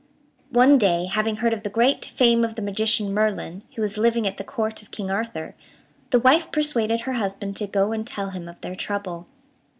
One day, having heard of the great fame of the magician Merlin, who was living at the Court of King Arthur, the wife persuaded her husband to go and tell him of their trouble.